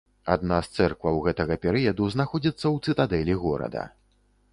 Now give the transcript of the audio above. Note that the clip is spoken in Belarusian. Адна з цэркваў гэтага перыяду знаходзіцца ў цытадэлі горада.